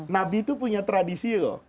nabi itu punya tradisi loh